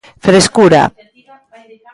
Frescura.